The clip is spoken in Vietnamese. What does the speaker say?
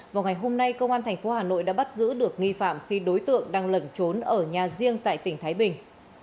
vào ngày hôm nay công an tp hà nội đã bắt giữ được nghi phạm khi đối tượng đang lẩn trốn ở nhà riêng tại tỉnh thái bình